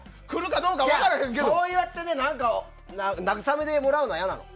そうやって、慰めでもらうのは嫌なの。